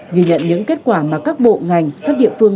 ghi nhận những kết quả mà các bộ ngành các địa phương